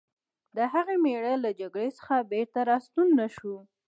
د هغې مېړه له جګړې څخه بېرته راستون نه شو